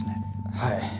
はい。